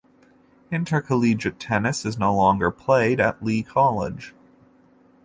Intercollegiate tennis is no longer played at Lee College.